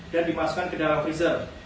dan dimasukkan ke dalam kulkas